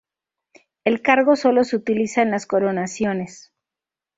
El cargo solo se utiliza en las coronaciones.